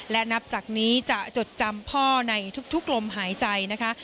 และนับจากนี้จะจดจำพ่อในทุกลมหายใจนะคะ